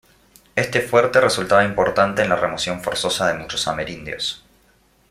Este fuerte resultaba importante en la remoción forzosa de muchos amerindios.